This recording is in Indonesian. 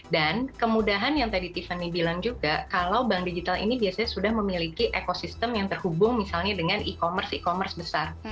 dan kemudahan yang tadi tiffany bilang juga kalau bank digital ini biasanya sudah memiliki ekosistem yang terhubung misalnya dengan e commerce e commerce besar